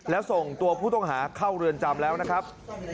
แล้วส่งตัวผู้ต้องหาเข้าเรือนจำแล้วนะครับ